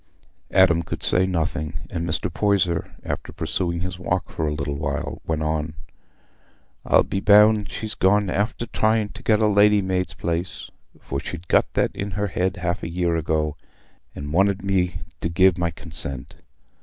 Adam could say nothing; and Mr. Poyser, after pursuing his walk for a little while, went on, "I'll be bound she's gone after trying to get a lady's maid's place, for she'd got that in her head half a year ago, and wanted me to gi' my consent.